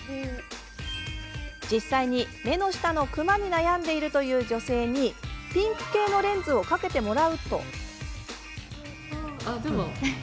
実際に目の下のくまに悩んでいるという女性にピンク系のレンズをかけてもらうと。